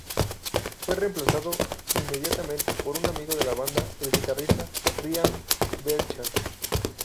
Fue reemplazado inmediatamente por un amigo de la banda, el guitarrista Ryan Belcher.